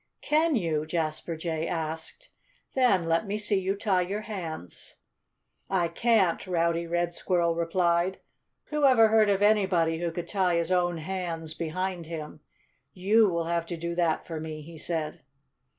"Can you?" Jasper Jay asked. "Then let me see you tie your hands." "I can't!" Rowdy Red Squirrel replied. "Who ever heard of anybody who could tie his own hands behind him?... You will have to do that for me," he said.